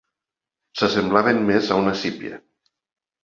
S'assemblaven més a una sípia.